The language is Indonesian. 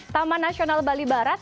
taman nasional bali barat